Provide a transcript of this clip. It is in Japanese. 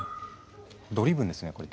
ドリブンですねこれ。